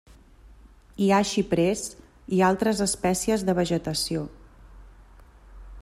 Hi ha xiprers i altres espècies de vegetació.